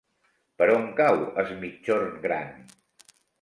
Per on cau Es Migjorn Gran?